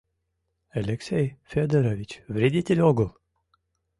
Алексей Федорович вредитель огыл.